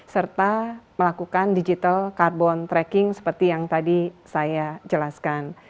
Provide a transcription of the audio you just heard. serta melakukan digital carbon tracking seperti yang tadi saya jelaskan